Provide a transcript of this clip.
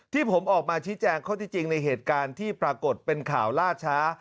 ที่ผมออกมาชี้แจงข้อที่จริงในเหตุการณ์ที่ปรากฏเป็นข่าวล่าช้า